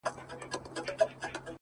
• وي مي له سهاره تر ماښامه په خدمت کي ,